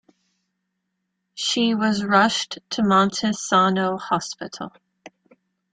She was rushed to Monte Sano Hospital.